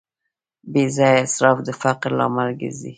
بېځایه اسراف د فقر لامل ګرځي.